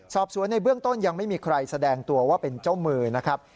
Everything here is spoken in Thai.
สอบสวนในเบื้องต้นยังไม่มีใครแสดงตัวว่าเป็นเจ้ามือนะครับ